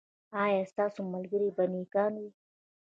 ایا ستاسو ملګري به نیکان وي؟